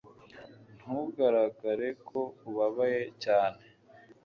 ntugaragare ko ubabaye cyane